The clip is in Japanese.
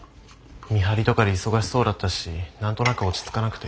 見張りとかで忙しそうだったし何となく落ち着かなくて。